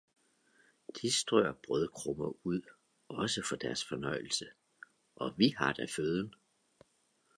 De strør brødkrummer ud, også for deres fornøjelse, og vi har da føden!